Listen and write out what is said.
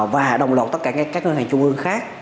và đồng lộn tất cả các ngân hàng chung ương khác